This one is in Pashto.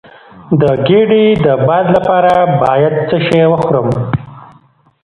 د ګیډې د باد لپاره باید څه شی وخورم؟